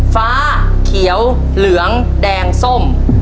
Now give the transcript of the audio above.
ฟ้าเขียวเหลืองแดงส้ม